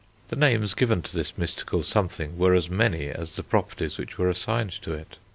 The names given to this mystical something were as many as the properties which were assigned to it.